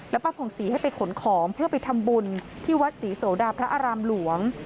ป้าผ่องศรีให้ไปขนของเพื่อไปทำบุญที่วัดศรีโสดาพระอารามหลวง